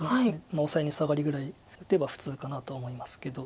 オサエにサガリぐらい打てば普通かなとは思いますけど。